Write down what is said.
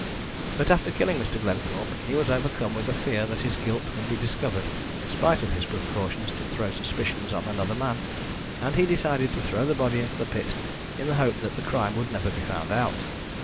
But after killing Mr. Glenthorpe he was overcome with the fear that his guilt would be discovered, in spite of his precautions to throw suspicions on another man, and he decided to throw the body into the pit in the hope that the crime would never be found out.